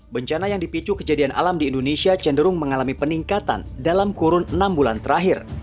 bencana yang dipicu kejadian alam di indonesia cenderung mengalami peningkatan dalam kurun enam bulan terakhir